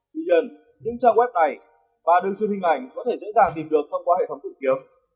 tuy nhiên những trang web này và đường truyền hình ảnh có thể dễ dàng tìm được thông qua hệ thống tự kiếm